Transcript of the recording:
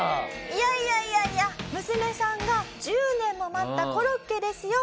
いやいやいやいや娘さんが１０年も待ったコロッケですよ？